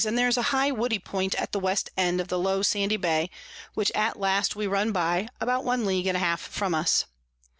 and there's a high woody Point at the West end of the low sandy Bay, which at last we run by, about one League and a half from us.